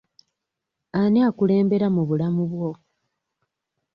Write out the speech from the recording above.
Ani akulembera mu bulamu bwo?